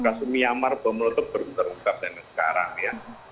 kasus miamar bumelotup belum terungkap dan sekarang ya